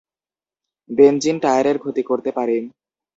Benzene টায়ারের ক্ষতি করতে পারে।